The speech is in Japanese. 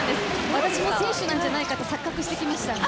私も選手なんじゃないかなと錯覚してきました。